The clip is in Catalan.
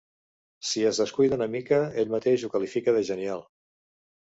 Si es descuida una mica ell mateix ho califica de genial.